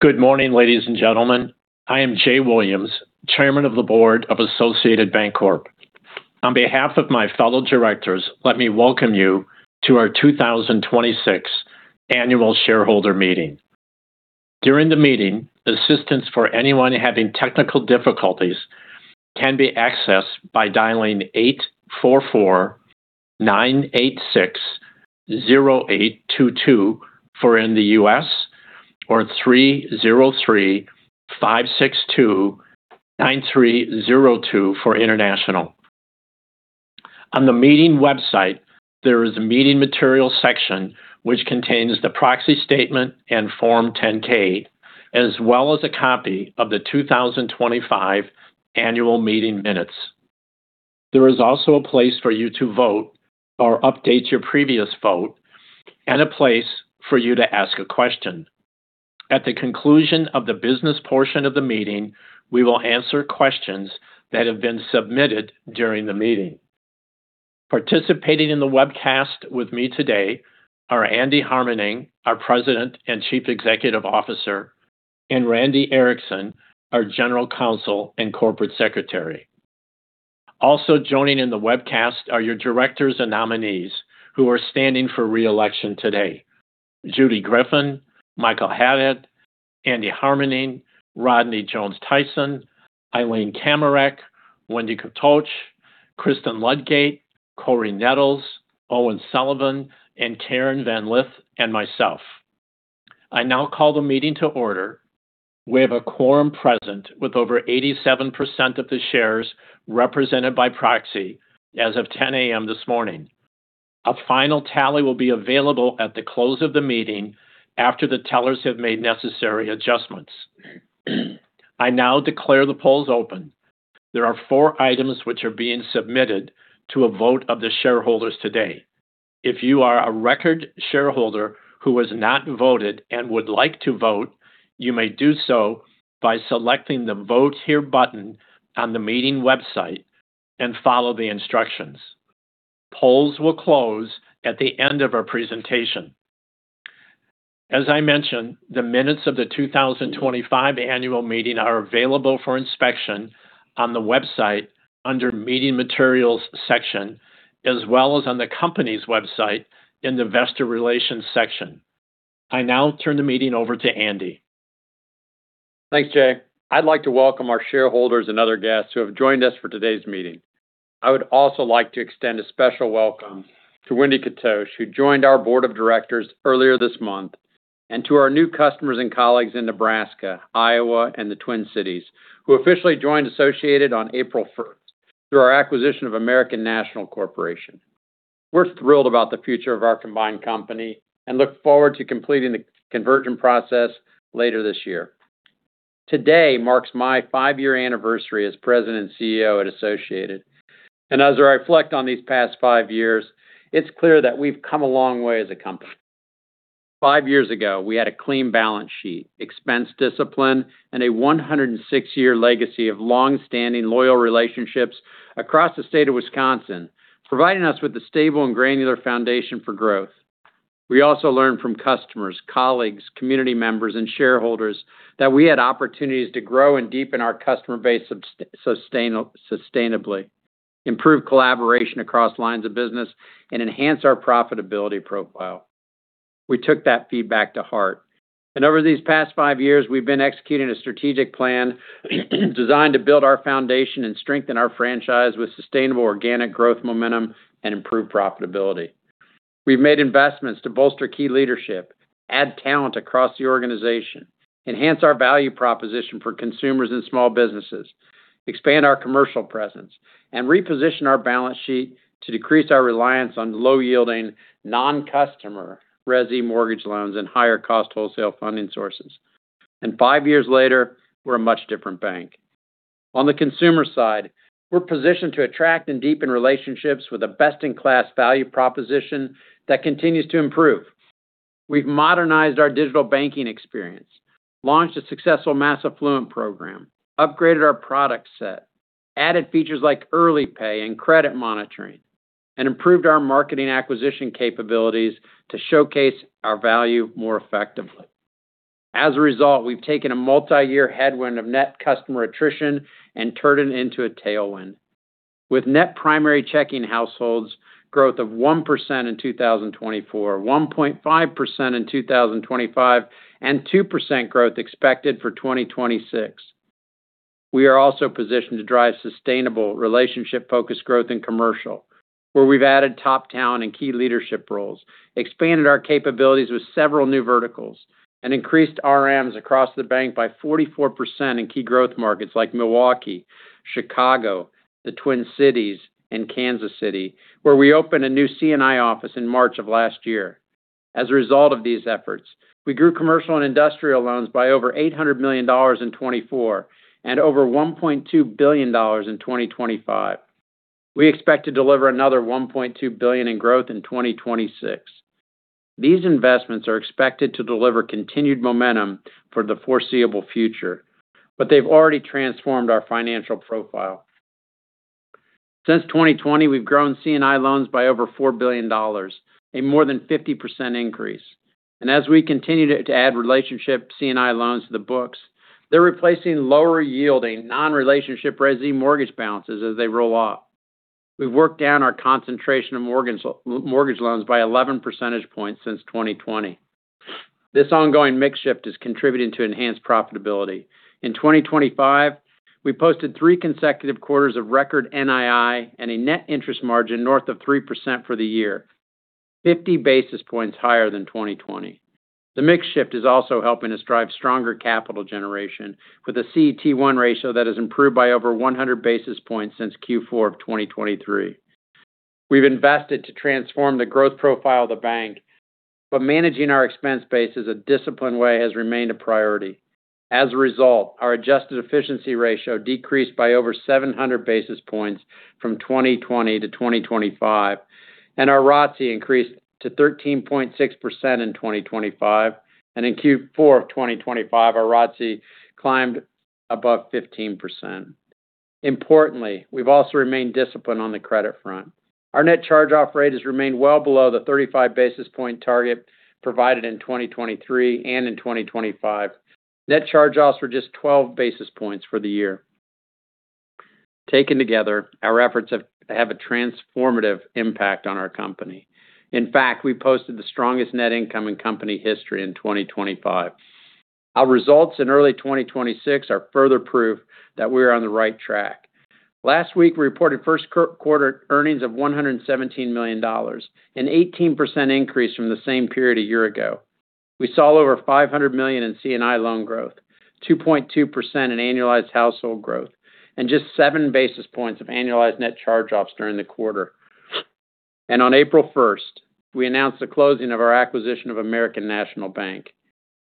Good morning, ladies and gentlemen. I am Jay Williams, Chairman of the Board of Associated Banc-Corp. On behalf of my fellow directors, let me welcome you to our 2026 Annual Shareholder Meeting. During the meeting, assistance for anyone having technical difficulties can be accessed by dialing 844-986-0822 for in the U.S., or 303-562-9302 for international. On the meeting website, there is a Meeting Materials section which contains the proxy statement and Form 10-K, as well as a copy of the 2025 annual meeting minutes. There is also a place for you to vote or update your previous vote and a place for you to ask a question. At the conclusion of the business portion of the meeting, we will answer questions that have been submitted during the meeting. Participating in the webcast with me today are Andy Harmening, our President and Chief Executive Officer, and Randy Erickson, our General Counsel and Corporate Secretary. Also joining in the webcast are your directors and nominees who are standing for re-election today. Judy Greffin, Michael Haddad, Andy Harmening, Rodney Jones-Tyson, Eileen Kamerick, Wende Kotouc, Kristen Ludgate, Cory Nettles, Owen Sullivan, and Karen van Lith, and myself. I now call the meeting to order. We have a quorum present with over 87% of the shares represented by proxy as of 10:00 A.M. this morning. A final tally will be available at the close of the meeting after the tellers have made necessary adjustments. I now declare the polls open. There are four items which are being submitted to a vote of the shareholders today. If you are a record shareholder who has not voted and would like to vote, you may do so by selecting the Vote Here button on the meeting website and follow the instructions. Polls will close at the end of our presentation. As I mentioned, the minutes of the 2025 annual meeting are available for inspection on the website under Meeting Materials section, as well as on the company's website in the Investor Relations section. I now turn the meeting over to Andy. Thanks, Jay. I'd like to welcome our shareholders and other guests who have joined us for today's meeting. I would also like to extend a special welcome to Wende Kotouc, who joined our board of directors earlier this month, and to our new customers and colleagues in Nebraska, Iowa, and the Twin Cities, who officially joined Associated on April 1st through our acquisition of American National Corporation. We're thrilled about the future of our combined company and look forward to completing the conversion process later this year. Today marks my five-year anniversary as president and CEO at Associated. As I reflect on these past five years, it's clear that we've come a long way as a company. Five years ago, we had a clean balance sheet, expense discipline, and a 106-year legacy of long-standing loyal relationships across the state of Wisconsin, providing us with a stable and granular foundation for growth. We also learned from customers, colleagues, community members, and shareholders that we had opportunities to grow and deepen our customer base sustainably, improve collaboration across lines of business, and enhance our profitability profile. We took that feedback to heart. Over these past five years, we've been executing a strategic plan designed to build our foundation and strengthen our franchise with sustainable organic growth momentum and improved profitability. We've made investments to bolster key leadership, add talent across the organization, enhance our value proposition for consumers and small businesses, expand our commercial presence, and reposition our balance sheet to decrease our reliance on low-yielding non-customer Resi mortgage loans and higher-cost wholesale funding sources. Five years later, we're a much different bank. On the consumer side, we're positioned to attract and deepen relationships with a best-in-class value proposition that continues to improve. We've modernized our digital banking experience, launched a successful mass affluent program, upgraded our product set, added features like early pay and credit monitoring, and improved our marketing acquisition capabilities to showcase our value more effectively. As a result, we've taken a multiyear headwind of net customer attrition and turned it into a tailwind. With net primary checking households growth of 1% in 2024, 1.5% in 2025, and 2% growth expected for 2026. We are also positioned to drive sustainable, relationship-focused growth in commercial, where we've added top talent and key leadership roles, expanded our capabilities with several new verticals, and increased RMs across the bank by 44% in key growth markets like Milwaukee, Chicago, the Twin Cities, and Kansas City, where we opened a new C&I office in March of last year. As a result of these efforts, we grew commercial and industrial loans by over $800 million in 2024 and over $1.2 billion in 2025. We expect to deliver another $1.2 billion in growth in 2026. These investments are expected to deliver continued momentum for the foreseeable future, but they've already transformed our financial profile. Since 2020, we've grown C&I loans by over $4 billion, a more than 50% increase. As we continue to add relationship C&I loans to the books, they're replacing lower-yielding non-relationship Resi mortgage balances as they roll off. We've worked down our concentration of mortgage loans by 11 percentage points since 2020. This ongoing mix shift is contributing to enhanced profitability. In 2025, we posted three consecutive quarters of record NII and a net interest margin north of 3% for the year, 50 basis points higher than 2020. The mix shift is also helping us drive stronger capital generation with a CET1 ratio that has improved by over 100 basis points since Q4 2023. We've invested to transform the growth profile of the bank, but managing our expense base is a disciplined way has remained a priority. As a result, our adjusted efficiency ratio decreased by over 700 basis points from 2020 to 2025, and our ROTCE increased to 13.6% in 2025. In Q4 2025, our ROTCE climbed above 15%. Importantly, we've also remained disciplined on the credit front. Our net charge-off rate has remained well below the 35 basis points target provided in 2023 and in 2025. Net charge-offs were just 12 basis points for the year. Taken together, our efforts have a transformative impact on our company. In fact, we posted the strongest net income in company history in 2025. Our results in early 2026 are further proof that we are on the right track. Last week, we reported first quarter earnings of $117 million, an 18% increase from the same period a year ago. We saw over $500 million in C&I loan growth, 2.2% in annualized household growth, and just 7 basis points of annualized net charge-offs during the quarter. On April 1st, we announced the closing of our acquisition of American National Bank.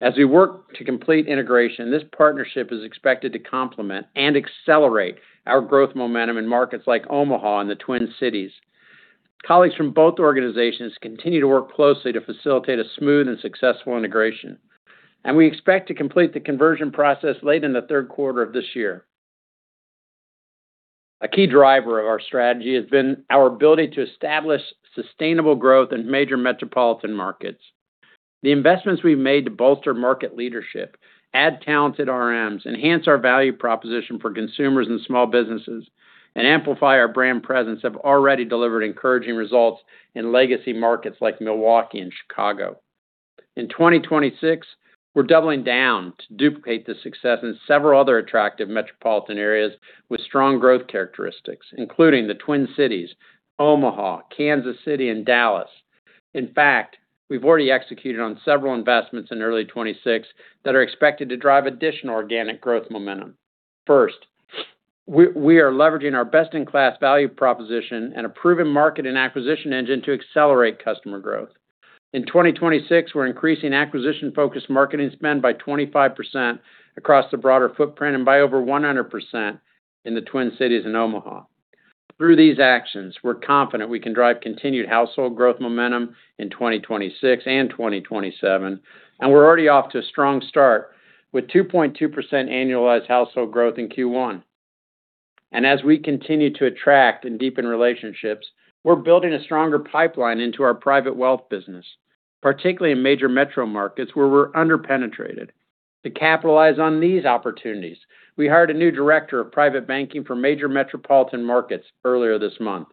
As we work to complete integration, this partnership is expected to complement and accelerate our growth momentum in markets like Omaha and the Twin Cities. Colleagues from both organizations continue to work closely to facilitate a smooth and successful integration, and we expect to complete the conversion process late in the third quarter of this year. A key driver of our strategy has been our ability to establish sustainable growth in major metropolitan markets. The investments we've made to bolster market leadership, add talented RMs, enhance our value proposition for consumers and small businesses, and amplify our brand presence have already delivered encouraging results in legacy markets like Milwaukee and Chicago. In 2026, we're doubling down to duplicate the success in several other attractive metropolitan areas with strong growth characteristics, including the Twin Cities, Omaha, Kansas City, and Dallas. In fact, we've already executed on several investments in early 2026 that are expected to drive additional organic growth momentum. First, we are leveraging our best-in-class value proposition and a proven market and acquisition engine to accelerate customer growth. In 2026, we're increasing acquisition-focused marketing spend by 25% across the broader footprint and by over 100% in the Twin Cities and Omaha. Through these actions, we're confident we can drive continued household growth momentum in 2026 and 2027, and we're already off to a strong start with 2.2% annualized household growth in Q1. As we continue to attract and deepen relationships, we're building a stronger pipeline into our private wealth business, particularly in major metro markets where we're under-penetrated. To capitalize on these opportunities, we hired a new director of private banking for major metropolitan markets earlier this month.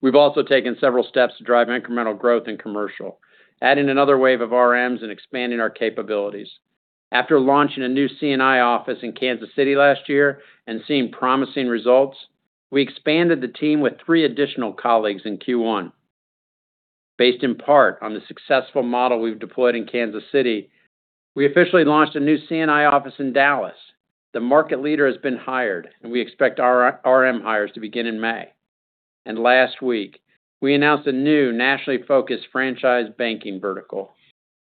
We've also taken several steps to drive incremental growth in commercial, adding another wave of RMs and expanding our capabilities. After launching a new C&I office in Kansas City last year and seeing promising results, we expanded the team with three additional colleagues in Q1. Based in part on the successful model we've deployed in Kansas City, we officially launched a new C&I office in Dallas. The market leader has been hired, and we expect our RM hires to begin in May. Last week, we announced a new nationally focused franchise banking vertical.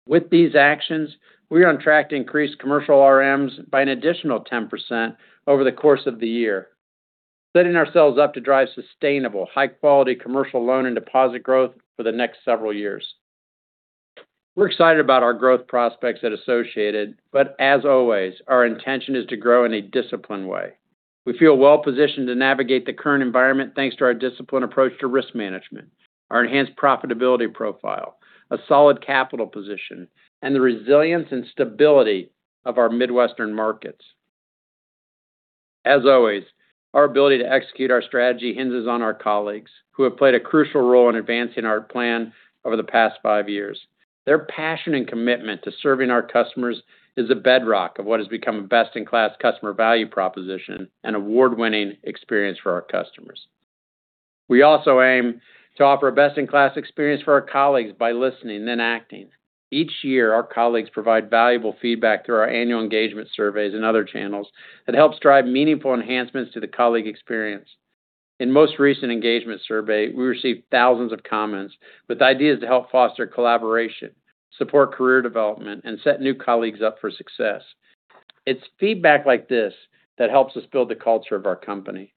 With these actions, we are on track to increase commercial RMs by an additional 10% over the course of the year, setting ourselves up to drive sustainable, high-quality commercial loan and deposit growth for the next several years. We're excited about our growth prospects at Associated, but as always, our intention is to grow in a disciplined way. We feel well-positioned to navigate the current environment thanks to our disciplined approach to risk management, our enhanced profitability profile, a solid capital position, and the resilience and stability of our Midwestern markets. As always, our ability to execute our strategy hinges on our colleagues, who have played a crucial role in advancing our plan over the past five years. Their passion and commitment to serving our customers is the bedrock of what has become a best-in-class customer value proposition and award-winning experience for our customers. We also aim to offer a best-in-class experience for our colleagues by listening and acting. Each year, our colleagues provide valuable feedback through our annual engagement surveys and other channels that helps drive meaningful enhancements to the colleague experience. In our most recent engagement survey, we received thousands of comments with ideas to help foster collaboration, support career development, and set new colleagues up for success. It's feedback like this that helps us build the culture of our company.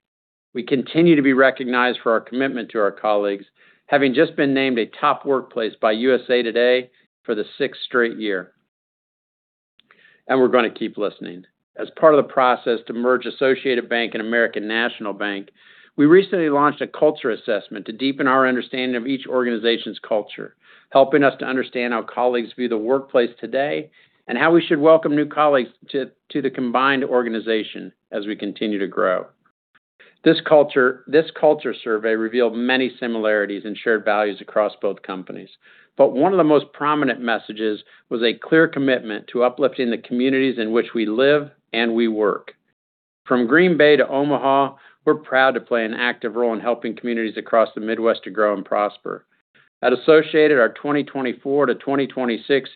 We continue to be recognized for our commitment to our colleagues, having just been named a Top Workplace by USA TODAY for the sixth straight year. We're gonna keep listening. As part of the process to merge Associated Bank and American National Bank, we recently launched a culture assessment to deepen our understanding of each organization's culture, helping us to understand how colleagues view the workplace today, and how we should welcome new colleagues to the combined organization as we continue to grow. This culture survey revealed many similarities and shared values across both companies, one of the most prominent messages was a clear commitment to uplifting the communities in which we live and we work. From Green Bay to Omaha, we're proud to play an active role in helping communities across the Midwest to grow and prosper. At Associated, our 2024-2026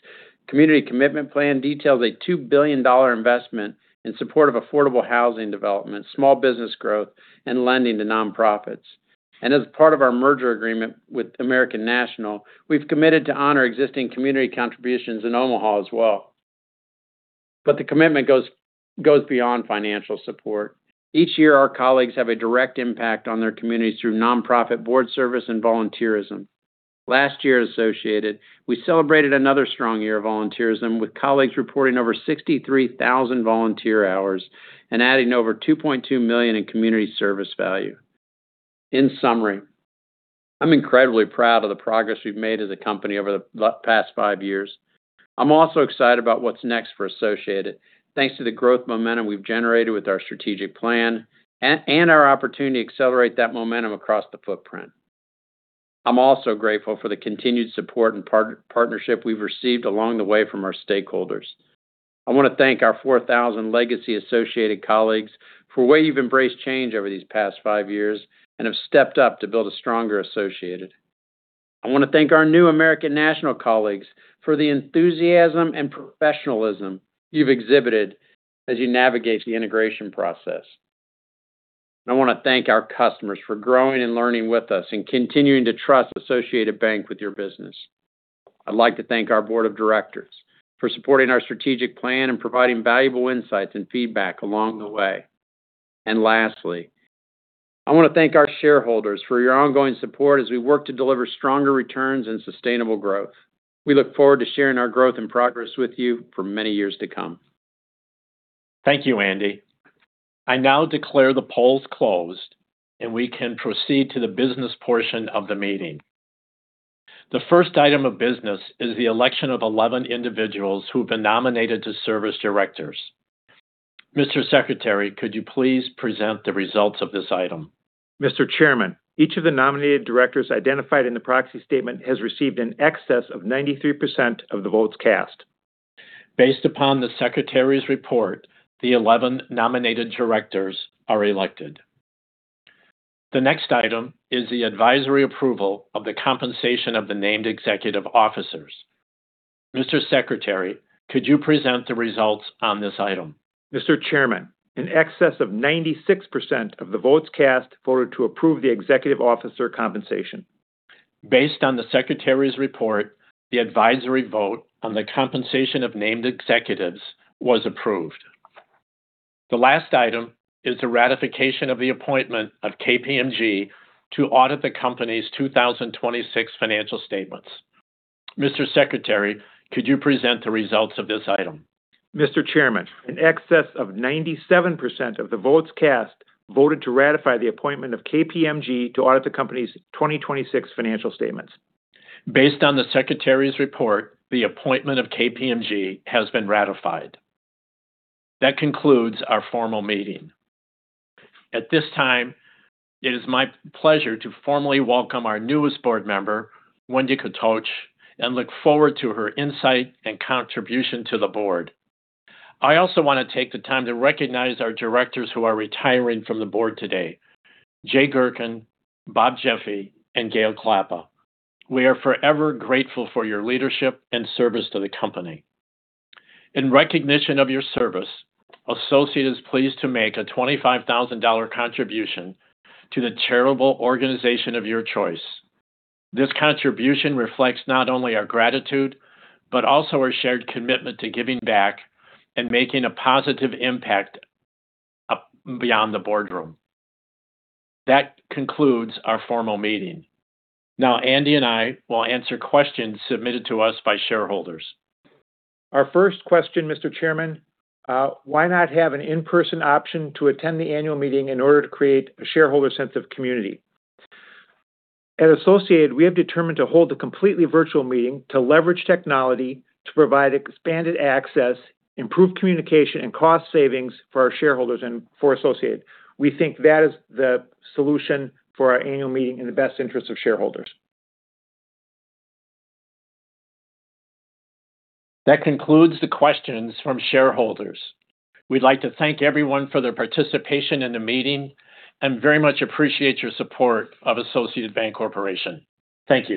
community commitment plan details a $2 billion investment in support of affordable housing development, small business growth, and lending to nonprofits. As part of our merger agreement with American National, we've committed to honor existing community contributions in Omaha as well. The commitment goes beyond financial support. Each year, our colleagues have a direct impact on their communities through nonprofit board service and volunteerism. Last year at Associated, we celebrated another strong year of volunteerism with colleagues reporting over 63,000 volunteer hours and adding over $2.2 million in community service value. In summary, I'm incredibly proud of the progress we've made as a company over the past five years. I'm also excited about what's next for Associated, thanks to the growth momentum we've generated with our strategic plan and our opportunity to accelerate that momentum across the footprint. I'm also grateful for the continued support and partnership we've received along the way from our stakeholders. I wanna thank our 4,000 legacy Associated colleagues for the way you've embraced change over these past five years and have stepped up to build a stronger Associated. I wanna thank our new American National colleagues for the enthusiasm and professionalism you've exhibited as you navigate the integration process. I wanna thank our customers for growing and learning with us and continuing to trust Associated Bank with your business. I'd like to thank our board of directors for supporting our strategic plan and providing valuable insights and feedback along the way. Lastly, I wanna thank our shareholders for your ongoing support as we work to deliver stronger returns and sustainable growth. We look forward to sharing our growth and progress with you for many years to come. Thank you, Andy. I now declare the polls closed, and we can proceed to the business portion of the meeting. The first item of business is the election of 11 individuals who've been nominated to serve as Directors. Mr. Secretary, could you please present the results of this item? Mr. Chairman, each of the nominated directors identified in the proxy statement has received in excess of 93% of the votes cast. Based upon the secretary's report, the 11 nominated directors are elected. The next item is the advisory approval of the compensation of the named executive officers. Mr. Secretary, could you present the results on this item? Mr. Chairman, in excess of 96% of the votes cast voted to approve the executive officer compensation. Based on the secretary's report, the advisory vote on the compensation of named executives was approved. The last item is the ratification of the appointment of KPMG to audit the company's 2026 financial statements. Mr. Secretary, could you present the results of this item? Mr. Chairman, in excess of 97% of the votes cast voted to ratify the appointment of KPMG to audit the company's 2026 financial statements. Based on the secretary's report, the appointment of KPMG has been ratified. That concludes our formal meeting. At this time, it is my pleasure to formally welcome our newest board member, Wende Kotouc, and look forward to her insight and contribution to the board. I also wanna take the time to recognize our directors who are retiring from the board today, R. Jay Gerken, Robert A. Jeffe, and Gale E. Klappa. We are forever grateful for your leadership and service to the company. In recognition of your service, Associated is pleased to make a $25,000 contribution to the charitable organization of your choice. This contribution reflects not only our gratitude, but also our shared commitment to giving back and making a positive impact up beyond the boardroom. That concludes our formal meeting. Andy Harmening and I will answer questions submitted to us by shareholders. Our first question, Mr. Chairman, why not have an in-person option to attend the annual meeting in order to create a shareholder sense of community? At Associated, we have determined to hold a completely virtual meeting to leverage technology to provide expanded access, improved communication, and cost savings for our shareholders and for Associated. We think that is the solution for our annual meeting in the best interest of shareholders. That concludes the questions from shareholders. We'd like to thank everyone for their participation in the meeting, and very much appreciate your support of Associated Banc-Corp. Thank you.